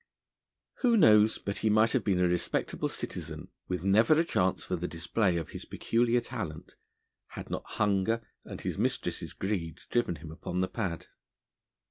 Who knows but he might have been a respectable citizen, with never a chance for the display of his peculiar talent, had not hunger and his mistress's greed driven him upon the pad?